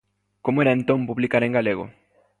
Como era entón publicar en galego?